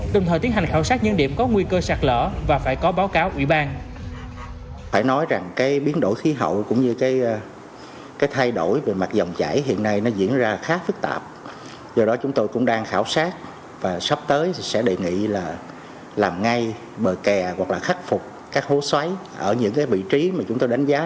đồng thời tiến hành khảo sát những điểm có nguy cơ sạt lỡ và phải có báo cáo ủy ban